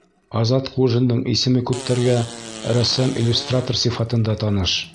Азат Ҡужиндың исеме күптәргә рәссам-иллюстратор сифатында таныш.